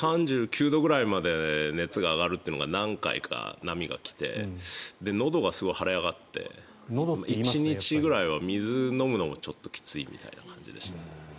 ３９度ぐらいまで熱が上がるというのが何回か波が来てのどがすごい腫れ上がって１日ぐらいは水を飲むのもちょっときついみたいな感じでした。